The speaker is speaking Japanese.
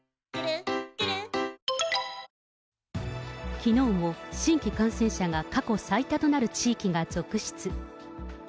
きのうも新規感染者が過去最多となる地域が続出。